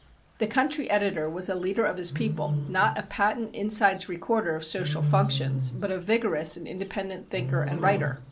The country editor was a leader of his people, not a patent insides recorder of social functions, but a vigorous and independent thinker and writer.